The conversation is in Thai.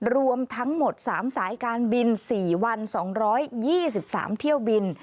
รวมทั้งหมด๓สายการบิน๔วัน๒๒๓เที่ยวบิน